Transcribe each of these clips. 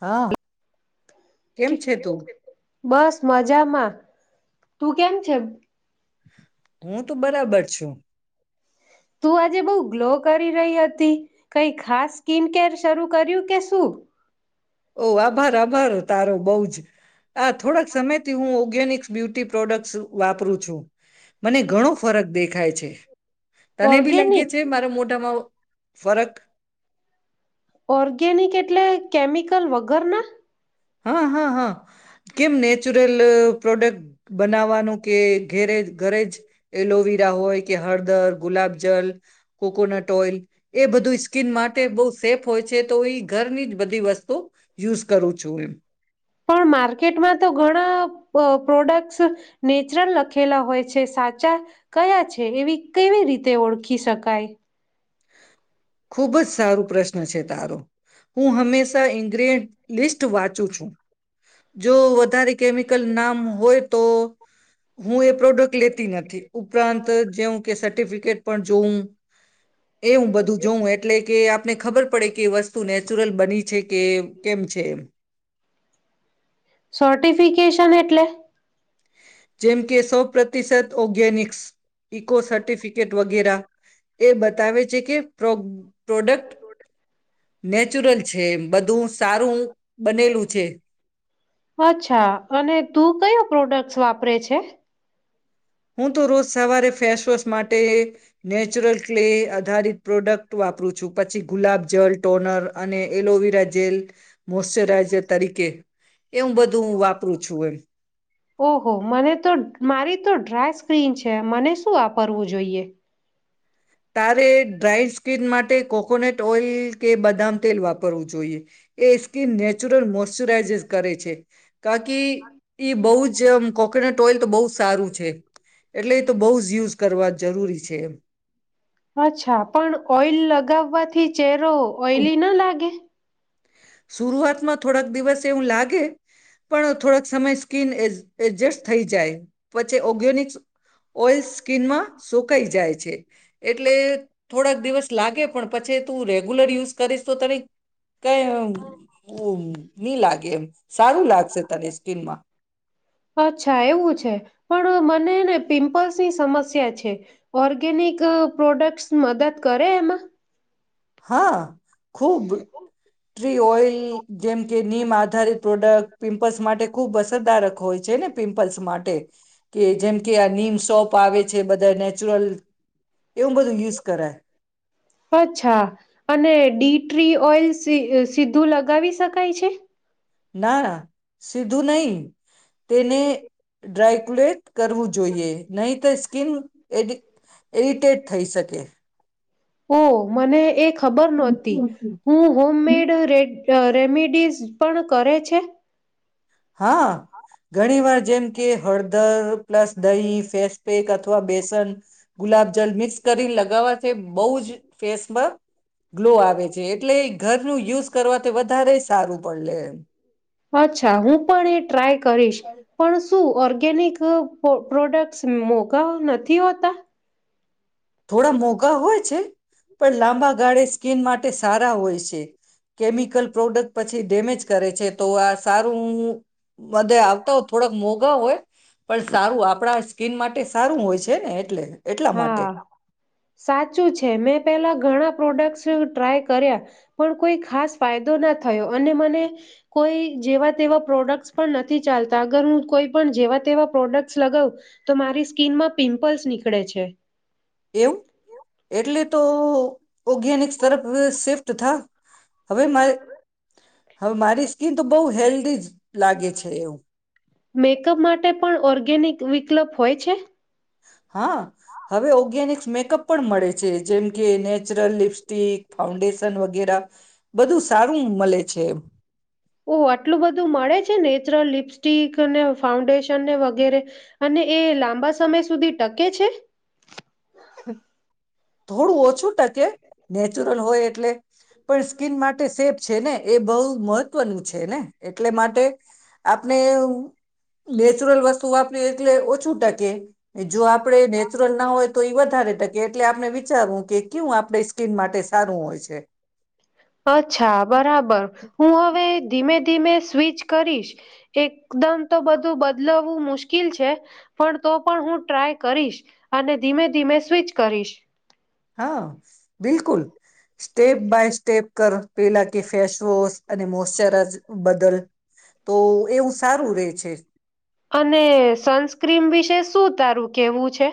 હા. કેમ છે તું? બસ મજામાં. તું કેમ છે? હું તો બરાબર છું. તું આજે બઉુ ગ્લો કરી રહી હતી, કઈ ખાસ સ્કીિન કેર શરૂ કર્યું કે શું? ઓહ આભાર આભાર તારો બઉ જ. આ થોડાક સમયથી હું ઓર્ગેનિક્સ બ્યુટી પ્રોડક્ટ્સ વાપરું છું. મને ઘણો ફરક દેખાય છે. તને બી લાગે ઓર્ગેનિક છે મારા મો ઢામાં આવું ફરક? ઓર્ગેનિક એટલે કેમિકલ વગર ના? હા, હા, હા. કેમ નેચરલ અહ પ્રોડક્ટ બનાવવાનું કે ઘેરેજ ઘરેજ એલોવીરા હોય કે હળ દર, ગુલાબ જલ કોકોનટ ઓઈલ, એ બધું સ્કીન માટે બહુ સેફ હોય છે, તો ઈ ઘરની જ બધી વસ્તુ યુઝ કરું છું એમ. પણ માર્કેટમાં તો ઘણા અહ પ્રોડક્ટસ નેચરલ લખેલા હોય છે, સાચા કયા છે? એવી કેવી રીતે ઓળખી શકાય? ખુબ જ સારું પ્રશ્ન છે તારો. હું હમેશા ઇંગ્રેડ લિસ્ટ વાંચું છું. જો વધારે કેમિકલ નામ હોય તો હું એ પ્રોડક્ટ લેતી નથી ઉપરાંત જેવ કે સર્ટિફિકેટ પણ જોઉું એવું બધું જોઉું એટલે કે આપને ખબર પડે કે વસ્તુ નેચરલ બની છે. કે કેમ છે એમ સર્ટિફિકેશન એટલે જેમ કે સો પ્રતિશત ઓર્ગેનિક્સ ઇકો સર્ટિફિકેટ વગેરા એ બતાવે છે કે પ્ર્રોગ પ્રોડક્ટ નેચરલ છે બધું સારું બનેલું છે અચ્છા અને તું કયો પ્રોડક્ટ્સ વાપરે છે. હું તો રોજ સવારે ફેશ ત સ માટે નેચુરટલી આધારિત પ્રોડક્ટ વાપરું છું પછી ગુલાબ જલ ટોનર અને એલોવેરા જેલ મોશચરાઈઝર તરીકે એ હું બધું હું વાપરું છું એમ ઓહો મને તો મારી તો ડ્રાય સ્ સ્ક્રીન છે મને શું વાપરવું જોઈએ. તારે ડ્રાય સ્કીન માટે કોકોનટ ઓઇલ કે બદામ તેલ વાપરવું જોઈએ. એ સ્કીન નેચરલ મોસ્ચ્યુરાઇઝર્સ કરે છે. કારકી બહુ જમ કોકોનટ ઓઇલ તો બહુ જ સારું છે એટલે એ તો બહુ જ યુઝ કરવા જરૂરી છે એમ. અચ્છા પણ ઓઈલ લગાવવાથી ચેર. લો એમ ઓઇલી ના લાગે. શરૂઆતમાં થોડાક દિવસ તેવું લાગે પણ થોડાક સમય સ્કીન એડજસ્ટ થઈ જાય પછી ઓર્ગેનિક ઓઈલ સ્કીનમાં સુકાઈ જાય છે એટલે થોડાક દિવસ લાગે પણ પછી તું રેગ્યુલર યુઝ કરીશ તો તને કઈ નહી લાગે એમ સારું લાગશે તને સ્કીનમાં. અચ્છા એવું છે પણ મનેને પિમ્પલ્સની સમસ્યા છે, ઓર્ગેનિક પ્રોડક્ટસ મદદ કરે એમાં. હા. ખુબ ટ્રી ઓઈલ જેમ કે નિમ આધારિત પ્રોડક્ટ પિમ્પલ્સ માટે ખૂબ અસરકારારક હોય છે ને પિમ્પલ્સ માટે કે જેમ કે આ નીમ સોપ આવે છે બધા નેચરલ એવું બધું યુઝ કરે. અચ્છા અને ડી ટ્રી ઓઈલ સી સીધું લગાવી શકાય છે. ના સીધું નહી તેને ડ્રાયકુલેટ કરવું જોઈએ. નહી તો સ્કિન એડિ ઇરિટેટ થઈ શકે. ઓહ! મને એક ખબર નોતી હું હોમડ રેડ રેમિડીિઝ પણ કરે છે. હા. ઘણી વાર જેમ કે હળદર પ્લસ. દહી ફેસ્ પેક અથવા બેસન ગુલાબજલ મિક્સ કરી લગાવવાથી બહુ જ ફેસપર ગ્લો આવે છે એટલે એ ઘરનું યુઝ કરવાથી વધારે સારું પડે લે એમ. અચ્ ચ્છા હું પણ એ ટ્રાય કરીશ પણ શું ઓર્ગેનિક પ્રોડક્ટસ મોઘા નથી હોતા. થોડા મોઘા હોય છે પણ લાંબા ગાળે સ્કીિન માટે સારા હોય છે. કેમિકલ પ્રોડક્ટ પછી ડેમેજ કરે છે. તો આ સારું બધે આવતા હો થોડાક મોઘા હોય પણ સારું આપણા સ્કીિન માટે સારું હોય છે ને એટલે. એટલા હા માટે. સાચું છે મેં પહેલા ઘણા પ્રોડક્ટ્સ ટ્રાય કર્યા પણ કોઈ ખાસ ફાયદો ના થયો અને મને કોઈ જેવા તેવા પ્રોડક્ટ પણ નથી ચાલતા અગર હું કોઈ પણ જેવા તેવા પ્રોડક્ટ લગાવું તો મારી સ્કીિન માં પિમ્પલ્સ નીક કળે છે. એવું એટલે તો ઓર્ગેનિક્સ તરફ શીફ્ટ થા હવે માં હવે મારી સ્કીિન તો બહુ હેલ્ધી લાગે છે મેકઅપ માટે પણ ઓર્ગેનિક વિકલ્પ હોય છે? હા, હવે ઓર્ગેનિક્સ મેકઅપ પણ મળે છે જેમ કે નેચરલ લિપસ્ટિક ફાઉન્ડેશન વગેરા બધું સારું મળે છે. ઓ આટલું બધું મળે છે નેચરલ લિપસ્ટિકને ફાઉન્ડેશનને વગેરે અને એ લાંબા સમય સુધી ટકે છે? થોડું ઓછું ટકે. નેચરલ હોય એટલે પણ સ્કીિન માટે સેફ છે ને એ બહુ મહત્વનું છે ને. એટલે માટે આપણે નેચરલ વસ્તુ આપણે એટલે ઓછું ટકે એ જો આપડ નેચરલ ના હોય તો એ વધારે ટકે એટલે આપણે વિચારવું કે ક્યુ આપણે સ્કીિન માટે સારું હોય છે? અચ્છા, બરાબર હું હવે ધીમે ધીમે સ્વીચ કરીશ એકદમ તો બધું બદલાવવું મુશ્કેલ છે પણ તો પણ હું ટ્રાય કરીશ અને ધીમે ધીમે સ્વીચ કરીશ. હા, બિલકુલ સ્ટેપ બાય સ્ટેપ કર પેલા કે ફેસવોશ અને મોશચરાઝર બદલ તો એવું સારું રે છે. અને સનસ્ક્રીન વિશે શું તારું કેવું છે?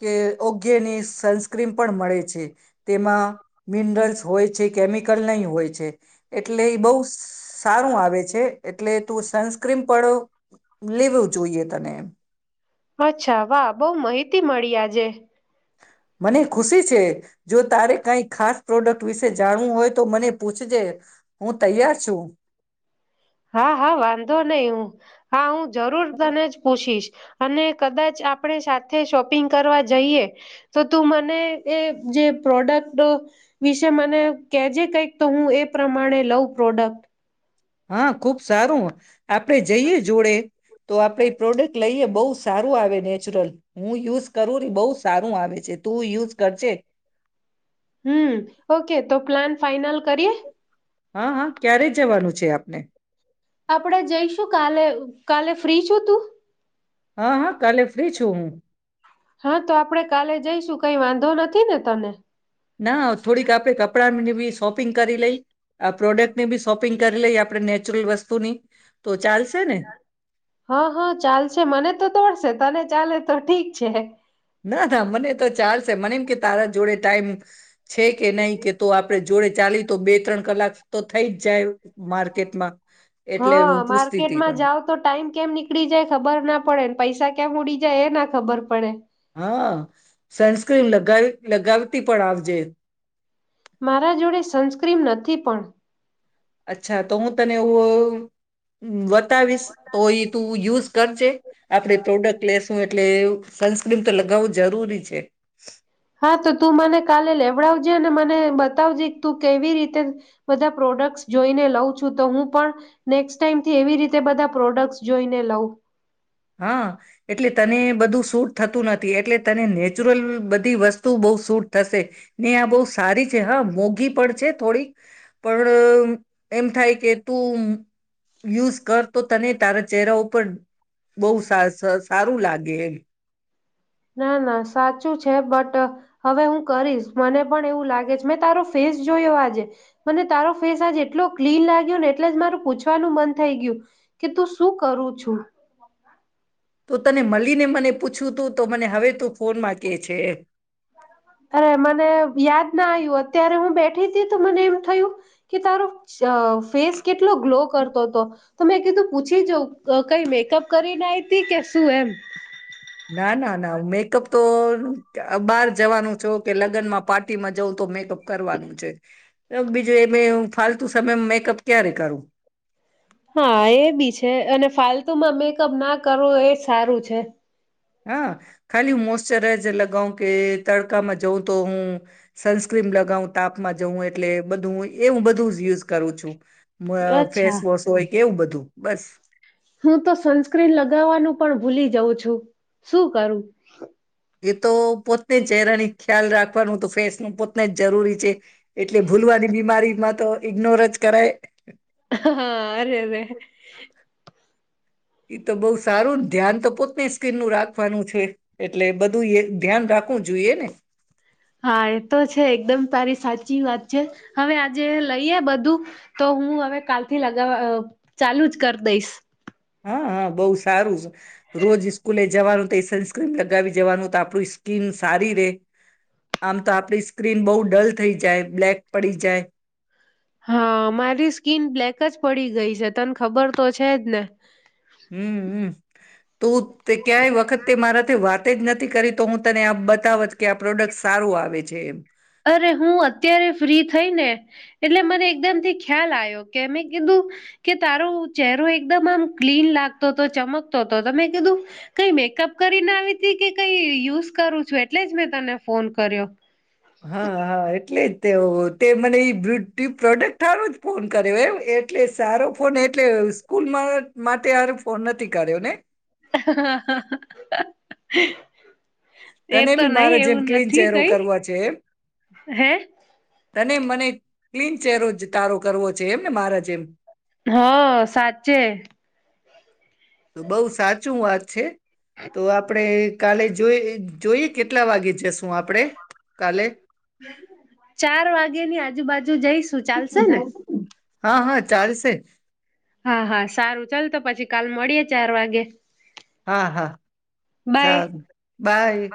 કે ઓકેની સનસ્ક્રીન પણ મળે છે. તેમાં મિનરલ્સ હોય છે, કેમિકલ નહી હોય છે. એટલે ઈ બહુ સારું આવે છે, એટલે તું સનસ્ક્રીન પણ લેવું જોઈએ તને એમ. અચ્છા. વાહ બહું મહિતી મળી આજે. મને ખુશી છે, જો તારે કઈ ખાસ પ્રોડક્ટ વિશે જાણવું હોય તો મને પૂછજે. હું તૈયાર છું હા, હા વાંધો નહીં હું હા હું જરૂર તને જ પૂછીશ. અને કદાચ આપણે સાથે શોપિંગ કરવા જઈએ, તો તું મને એ જે પ્રોડક્ટ વિશે મને કેજે કંઈક તો હું એ પ્રમાણે લઉં. પ્રોડક્ટ. હા, ખુબ સારું. આપણે જઈએ જોડે. તો આપણેે એ પ્રોડક્ટ લઈએ બહુ સારું આવે નેચરલ, હું યુઝ કરું ઈ બહુ સારું આવે છે, તું યુઝ કરજે. Hmm, okay. તો પ્લાન ફાાઈનલ કરીએ? હા, હા. ક્યારે જવાનું છે આપને? આપણેે જઈશું કાલે, કાલે ફ્રી છો તું? હા, હા કાલે ફ્રી છું હું. કાંઈ વાંધો નથી ને તને? ના થોડી કાપે કપ આપની ભી શોપિંગ કરી લઈ, આ પ્રોડક્ટની ભી શોપિંગ કરી લઈ આપણે નેચરલ વસ્તુની તો ચાલ હા, હા, ચાલશે મને તો દોડશે તને ચાલે તો ઠીક છે. ના થા મને તો ચાલ શે મને એમ કે તારા જોડે ટાઈમ છે કે નહીં કે તો આપણેે જોડે ચાલી તો બે-ત્રણ કલાક તો થઈ જ જાય માર્કેટમાં એટલે હા, હું પૂછતી તી માર્કેટમાં તને જાવ તો ટાઈમ કેમ નીકળી જાય ખબર ના પડે પૈસા ક્યા ઉડી જાય એ ના ખબર પડે હા, સનસ્ક્રીન લગાવ લગાવતી પણ આવજે. મારા જોડે સનસ્ક્રીમ નથી પણ. અચ્છા તો હું તને એવું બતાવીશ તો એ તું યુઝ કરજે આપણે પ્રોડક્ટ લેસું એટલે સનસ્ક્રીમ તો લગાવવું જરૂરી છે. હા, તો તું મને કાલે લેવડાવજે અને મને બતાવજે તું કેવી રીતે બધા પ્રોડક્ટસ જોઈને લઉં છું તો હું પણ નેક્સ્ટ ટાઈમથી એવી રીતે બધા પ્રોડક્ટસ જોઈને લઉં. હા, એટલે તને બધું સૂટ થતું નથી એટલે તને નેચરલ બધી વસ્તુ બહુ સૂટ થશે ને આ બહુ સારી છે હા મોંઘી પણ છે થોડીક પણ એમ થાય કે તું યુઝ કર તો તને તારા ચહેરા ઉપર બહુ સા સ સારું લાગે ના ના સાચું છે હવે હું કરીશ મને પણ એવું લાગે છે મેં તારો ફેસ જોયો આજે મને તારો ફેસ આજે એટલો ક્લીન લાગ્યો ને એટલે જ મારું પૂછ પછવાનું મન થઈ ગયું કે તું શું કરું છું હુ તો તને મળલીને મને પૂછવું તું તો મને હવે તું ફોનમાં કેહે છે અરે મને યાદ ના આવ્યું અત્યારે હું બેઠી તી તો મને એમ થયું કે તારું ફેસ કેટલો ગ્લો કરતો હતો તો મેં કીધું પૂછી જાઉ કઈ મેકઅપ કરીને આવીતી કે શું એમ ના ના ના મેકઅપ તો બહાર જવાનું છો કે લગ્નમાં પાર્ટીમાં જવું તો મેકઅપ કરવાનું છે બીજું એ બે ફાલતુ તમે મેકઅપ ક્યારે કરો હા એ બી છે અને ફાલતુમાં મેકઅપ ના કરવો એ સારું છે હા ખાલી મોસ્તરાઇઝર લા કવ કે તડકામાં જવ તો હું સનસ્ક્રીમ લગાવઉ તાપમાં જવું એટલે બધું એવું બધું જ યુઝ કરું છું અચ્છા ફેસવોશ હોય કે એવું બધું બસ હું તો સનસ્ક્રીન લગાવવાનું પણ ભૂલી જઉં છું શું કરું એ તો પોતે ચહેરાની ખ્યાલ રાખવાનું તો ફેસ નુ પોતે જ જરૂરી છે એટલે ભૂલવાની બીમારી માં તો ઇગ્નોર જ કરાય ને હા અરે અરે એ તો બોહ સારું ને ધ્યાન તો પોત સ્ક્રીન નું રાખવાનું છે એટલે બધું એ ધ્યાન રાખવું જોઈએ ને હા એ તો છે એકદમ તારી સાચી વાત છે હવે આજે લઈએ બધું તો હું હવે કાલથી લગાવવા ચાલુ જ કરી દઈશ હા હા બહુ સારું રોજ સ્કૂલે જવાનું તે સુણસ્ક્રીન લગાવી જવાનું તો આપું સ્કીિન સારી રે આમ તો આપણી સ્કીિન બહુ ડલ થઈ જાય બ્લેક પડી જાય હા મારી સ્કીિન બ્લેક જ પડી ગઈ છે તને ખબર તો છે જ ને હમ હમ તો તે ક્યાય વખત તે મારાથી વાર્ ત જ નથી કરી તો હું તને આમ બતાવત કે આ પ્રોડક્ટ સારું આવે જ એમ અરે હું અત્યારે ફ્રી થઈ ને એટલે મને એકદમ થી ખ્યાલ આવ્યો કે મે કીધું કે તારો ચહેરો એકદમ આમ ક્લીન લાગતો હતો ચમકતો હતો તમે કીધું કઈ મેકઅપ કરીને આવી ત કે કઈ યુઝ કરું છું એટલે જ મેં તને ફોન કર્યો હા હા એટલે જ તે તે મને એ બ્યુટ પ્રોડક્ટ સારો જ ફોન કર્યો એમ એટલે સારો ફોન એટલે સ્કૂલમાં માટે હરે ફોન નથી કર્યો ને [inaudible] હા હ [unintelligible] તને બી મારે જેમ ક્લીન ચેરો કઈ કરવા છે હે તને મને ક્લીન ચહેરો જ તારો [unintelligible] કરવો છે એમ ને મારા જેમ હ સાચૂ બઉુ સાચું વાત છે તો આપડે કાલેજ જોઈ જોઈ કેટલા વાગે જસ ચાર વાગે ની આજુબાજુ જઈશું ચાલશે ને હા હા ચાલશે હા હા સારું ચાલ તો પછી કાલ મળીયે ચાર વાગે હા હા બાય ચાલ બાય.